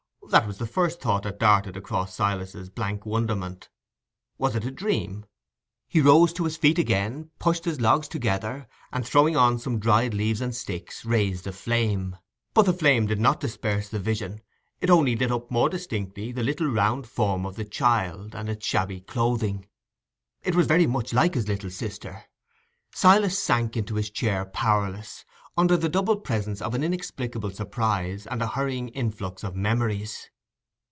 That was the first thought that darted across Silas's blank wonderment. Was it a dream? He rose to his feet again, pushed his logs together, and, throwing on some dried leaves and sticks, raised a flame; but the flame did not disperse the vision—it only lit up more distinctly the little round form of the child, and its shabby clothing. It was very much like his little sister. Silas sank into his chair powerless, under the double presence of an inexplicable surprise and a hurrying influx of memories.